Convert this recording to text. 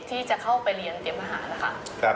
ที่จะเข้าไปเรียนเตรียมทหาร